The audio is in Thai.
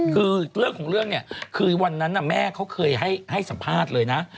คือเรื่องของเรื่องเนี่ยคือวันนั้นแม่เขาเคยให้สัมภาษณ์เลยนะ